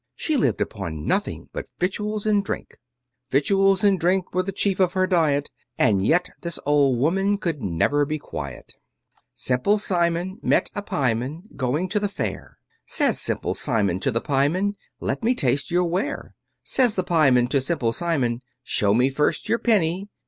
She lived upon nothing but victuals and drink: Victuals and drink were the chief of her diet; And yet this old woman could never be quiet. Simple Simon met a pieman, Going to the fair; Says Simple Simon to the pieman, "Let me taste your ware." Says the pieman to Simple Simon, "Show me first your penny."